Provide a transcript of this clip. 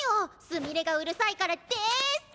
すみれがうるさいからデス！